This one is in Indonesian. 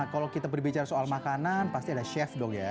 kalau kita berbicara soal makanan pasti ada chef dong ya